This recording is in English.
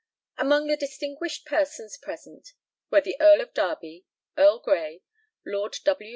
Among the distinguished persons present were the Earl of Derby, Earl Grey, Lord W.